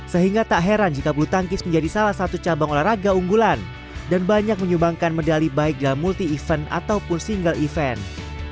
sehingga tak heran jika bulu tangkis menjadi salah satu cabang olahraga unggulan dan banyak menyumbangkan medali baik dalam multi event ataupun single event